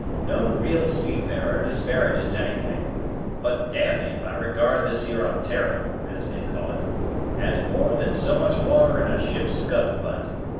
No real seafarer disparages anything; but, d me, if I regard this here Ontario, as they call it, as more than so much water in a ship's scuttle butt.